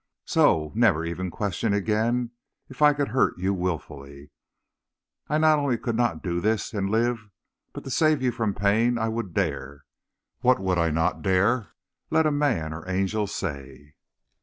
So, never even question again if I could hurt you willfully. I not only could not do this and live, but to save you from pain I would dare What would I not dare? Let man or angels say."